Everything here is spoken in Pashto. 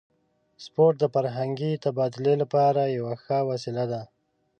سپورت د فرهنګي تبادلې لپاره یوه ښه وسیله ده.